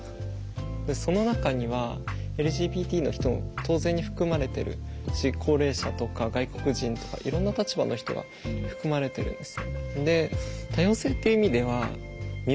その中にはＬＧＢＴの人も当然に含まれてるし高齢者とか外国人とかいろんな立場の人が含まれてるんです。